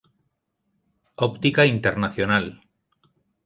Óptica internacional.